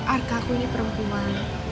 arka aku ini perempuan